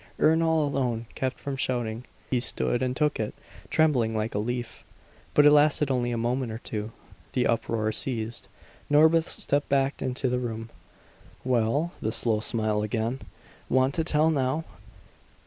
Ernol alone kept from shouting; he stood and took it, trembling like a leaf. But it lasted only a moment or two. The uproar ceased. Norbith stepped back into the room. "Well?" The slow smile again. "Want to tell now?"